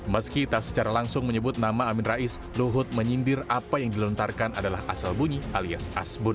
meski tak secara langsung menyebut nama amin rais luhut menyindir apa yang dilontarkan adalah asal bunyi alias asbun